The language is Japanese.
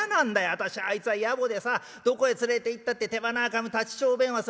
私あいつはやぼでさどこへ連れていったって手鼻はかむ立ち小便はする